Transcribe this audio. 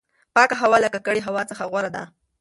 پاکه هوا له ککړې هوا څخه غوره ده.